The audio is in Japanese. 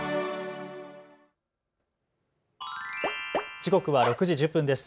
時刻は６時１０分です。